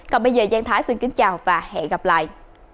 còn bây giờ giang thái xin kính chào và hẹn gặp lại